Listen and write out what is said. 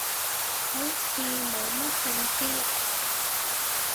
好似冇乜聖詩